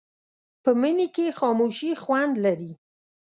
په مني کې خاموشي خوند لري